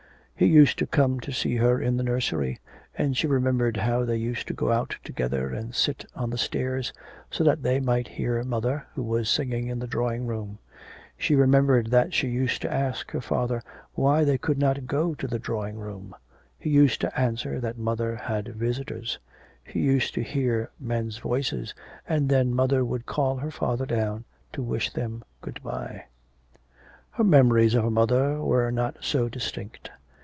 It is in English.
He used to come to see her in the nursery, and she remembered how they used to go out together and sit on the stairs, so that they might hear mother, who was singing in the drawing room. She remembered that she used to ask her father why they could not go to the drawing room. He used to answer that mother had visitors. She used to hear men's voices, and then mother would call her father down to wish them good bye. Her memories of her mother were not so distinct.